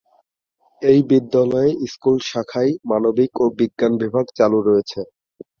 এই বিদ্যালয়ে স্কুল শাখায় মানবিক ও বিজ্ঞান বিভাগ চালু রয়েছে।